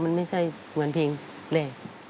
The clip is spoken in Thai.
มันไม่ใช่เหมือนเพลงแรก